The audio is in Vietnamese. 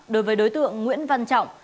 đối với đối tượng nguyễn văn trọng